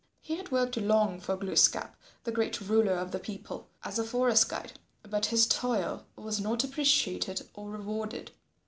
He had worked long for Glooskap, the great ruler of the people, as a forest guide, but his toil was not appreciated or rewarded.